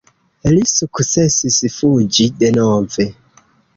Li sukcesis fuĝi denove.